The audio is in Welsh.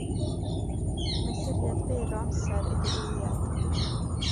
Mesuriad byr o amser ydy eiliad.